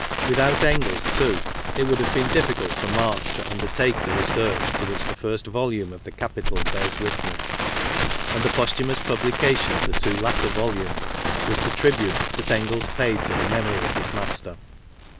Without Engels, too, it would have been difficult for Marx to undertake the research to which the first volume of the Capital bears witness; and the posthumous publication of the two latter volumes was the tribute that Engels paid to the memory of his master.